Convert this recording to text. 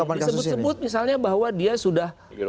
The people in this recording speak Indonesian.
variable penting disebut sebut misalnya bahwa dia sudah